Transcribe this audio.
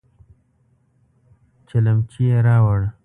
چلمچي يې راووړ.